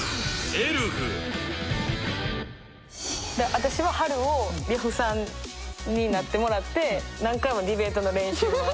私ははるを呂布さんになってもらって何回もディベートの練習は。